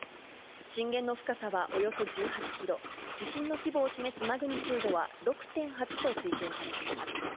震源の深さはおよそ１８キロ、地震の規模を示すマグニチュードは６．８と推定されています。